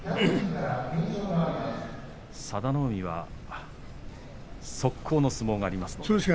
佐田の海は速攻の相撲があります。